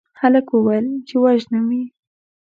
هلک وويل چې وژنم يې